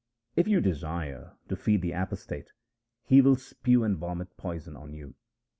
If you desire to feed the apostate, he will spew and vomit poison on you.